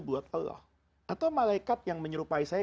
buat allah atau malaikat yang menyerupai saya